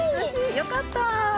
よかった。